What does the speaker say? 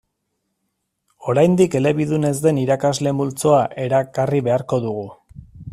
Oraindik elebidun ez den irakasle multzoa erakarri beharko dugu.